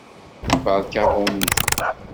Beṛka aɣunzu!